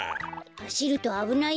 はしるとあぶないよ。